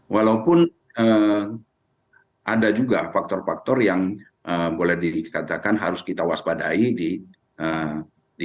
walaupun ada juga faktor faktor yang boleh dikatakan harus kita waspadai di